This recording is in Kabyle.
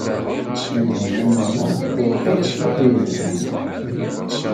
Tinhinan u Muḥ tsewweq-d ssuq yelhan.